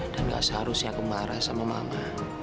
dan gak seharusnya aku marah sama mama